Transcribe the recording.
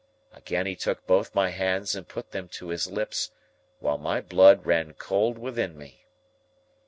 Again he took both my hands and put them to his lips, while my blood ran cold within me.